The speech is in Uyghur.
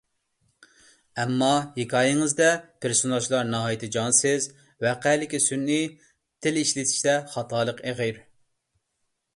ئەمما ھېكايىڭىزدە پېرسوناژلار ناھايىتى جانسىز، ۋەقەلىكى سۈنئىي، تىل ئىشلىتىشتە خاتالىق ئېغىر.